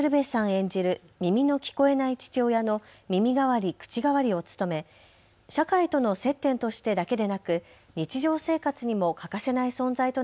演じる耳の聞こえない父親の耳代わり口代わりを務め、社会との接点としてだけでなく日常生活にも欠かせない存在と